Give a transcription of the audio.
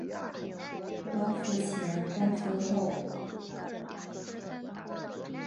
光复前光复后